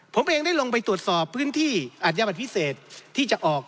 ผมเองได้ลงไปตรวจสอบพื้นที่อัญญาบัติพิเศษที่จะออก